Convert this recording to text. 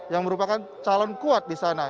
yang merupakan calon kuat di sana